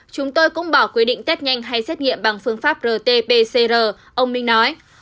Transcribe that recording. chúng tôi cũng bỏ quy định tết nhanh hay xét nghiệm bằng phương pháp rt pcr ông bình nói